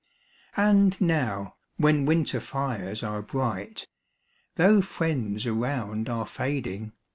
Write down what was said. And now when winter fires are bright, Though friends around are fading, 154 POEMS.